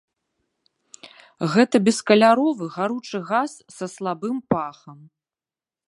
Гэта бескаляровы гаручы газ са слабым пахам.